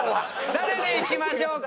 誰でいきましょうか？